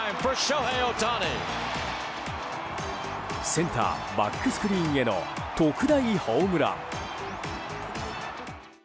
センターバックスクリーンへの特大ホームラン。